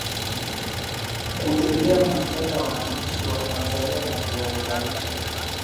Kutetea maslahi ya waandishi wa Tanzania na kuwaunganisha